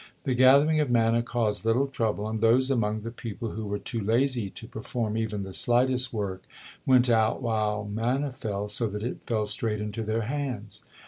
The gathering of manna caused little trouble, and those among the people who were too lazy to perform even the slightest work, went out while manna fell, so that it fell straight into their hands.